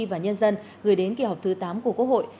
và nhân dân gửi đến kỳ họp thứ tám của quốc hội